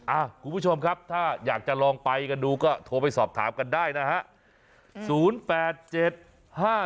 คุณผู้ชมครับถ้าอยากจะลองไปกันดูก็โทรไปสอบถามกันได้นะฮะ